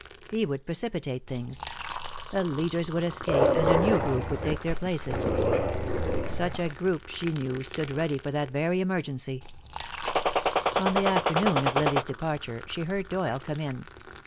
He would precipitate things. The leaders would escape, and a new group would take their places. Such a group, she knew, stood ready for that very emergency. On the afternoon of Lily's departure she heard Doyle come in.